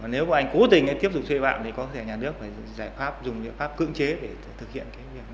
nếu mà anh cố tình tiếp tục xây dựng thì có thể nhà nước phải dùng những pháp cưỡng chế để thực hiện